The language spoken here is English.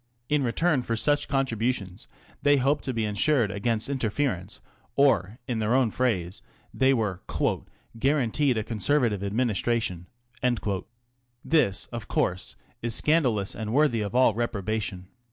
In return for such contributions they hoped to be insured against interference, or, in their own phrase, they were " guaranteed a Conservative Administration." This, of course, is scandalous and worthy of all reprobation.